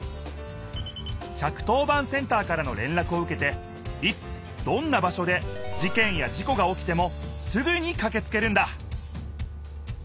１１０番センターからのれんらくをうけていつどんな場所で事件や事故がおきてもすぐにかけつけるんだ！